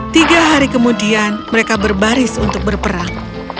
tiga hari kemudian mereka berbaris untuk berperang